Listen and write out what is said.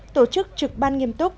tổ chức trực ban nghiêm túc